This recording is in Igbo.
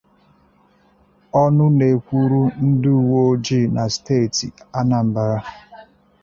ọnụ na-ekwuru ndị uweojii na steeti Anambra